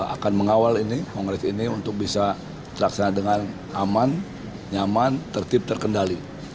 akan mengawal ini kongres ini untuk bisa terlaksana dengan aman nyaman tertib terkendali